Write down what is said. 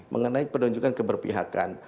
mengenai penunjukan keberpihakan